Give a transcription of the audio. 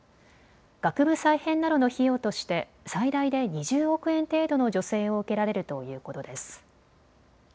学部再編などの費用として最大で２０億円程度の助成を受けられるということです。